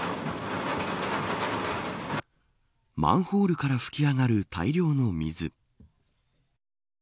マンホールから噴き上がる大量の水。